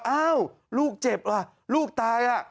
อ้าวลูกเจ็บว่ะลูกตายอ่ะ